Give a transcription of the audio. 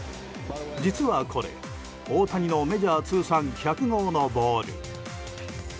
実はこれ、大谷のメジャー通算１００号のボール。